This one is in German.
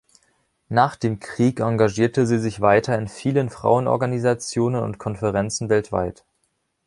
Nach dem Krieg engagierte sie sich weiter in vielen Frauenorganisationen und Konferenzen weltweit.